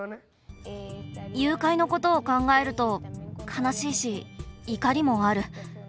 誘拐のことを考えると悲しいし怒りもある。